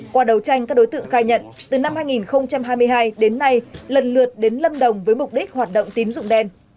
qua đầu tranh các đối tượng khai nhận từ năm hai nghìn hai mươi hai đến nay lần lượt đến lâm đồng với mục đích hoạt động tín dụng đen